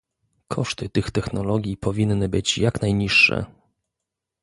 koszty tych technologii powinny być jak najniższe